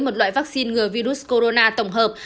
một loại vaccine ngừa virus corona tổng hợp